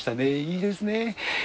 いいですね。